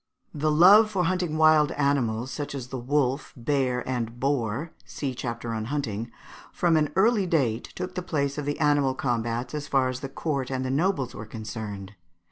The love for hunting wild animals, such as the wolf, bear, and boar (see chapter on Hunting), from an early date took the place of the animal combats as far as the court and the nobles were concerned.